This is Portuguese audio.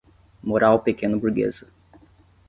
moral pequeno-burguesa